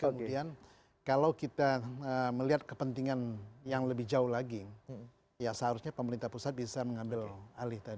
kemudian kalau kita melihat kepentingan yang lebih jauh lagi ya seharusnya pemerintah pusat bisa mengambil alih tadi